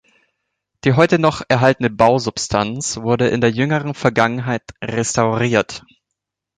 Die heute noch erhaltenen Bausubstanz wurde in der jüngeren Vergangenheit restauriert.